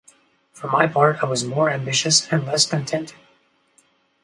For my part, I was more ambitious and less contented.